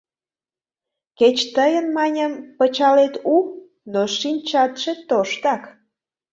Кеч тыйын, маньым, пычалет у, но шинчатше тоштак...